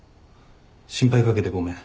心配掛けてごめん。